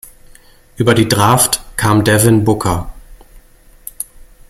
Über die Draft kam Devin Booker.